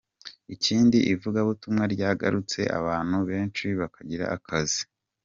Ikindi ivugabutumwa ryaragutse abantu benshi bakira agakiza.